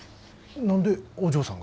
何でお嬢さんが？